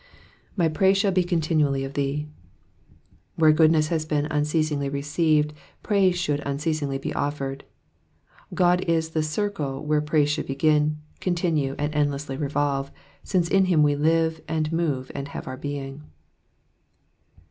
''''My praise shall he continually of thee." Where goodness has been unceasingly received, praiise should un ceasingly be offered. God is the circle where praise should begin, continue, and endlessly revolve, since in him we live, and move, and have our being.